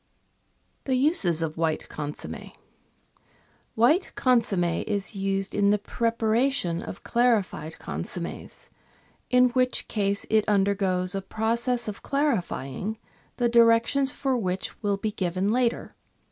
The Uses of White Consomme ., White consomme is used in the preparation of clarified con sommes, in which case it undergoes a process of clarifying, the directions for which will be given later.